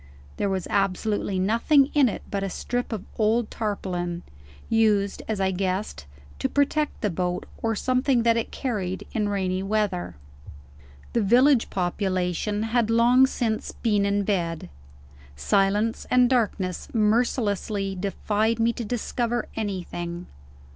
There was absolutely nothing in it but a strip of old tarpaulin used, as I guessed, to protect the boat, or something that it carried, in rainy weather. The village population had long since been in bed. Silence and darkness mercilessly defied me to discover anything.